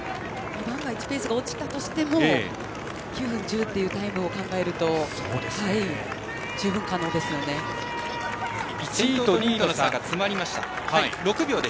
万が一ペースが落ちたとしても９分１０というタイムを考えると１位と２位の差が詰まりました。